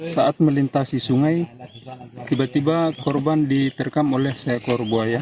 saat melintasi sungai tiba tiba korban diterkam oleh seekor buaya